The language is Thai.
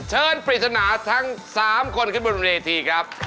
เชิญปริตนาทั้ง๓คนขึ้นบนมหาลกที่ครับ